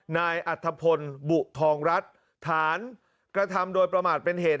นายอัธพลบุทองรัฐฐานกระทำโดยประมาทเป็นเหตุ